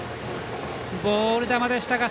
ボール球でしたが。